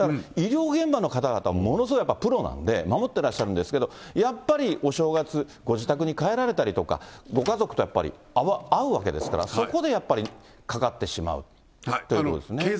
医療現場の方々、ものすごいやっぱプロなんで、守ってらっしゃるんですけど、やっぱりお正月、ご自宅に帰られたりだとか、ご家族とやっぱり会うわけですから、そこでやっぱり、かかってしまうということですね。